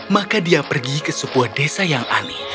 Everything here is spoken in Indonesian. maka dia pergi ke sebuah desa yang aneh